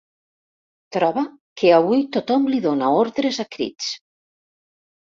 Troba que avui tothom li dóna ordres a crits.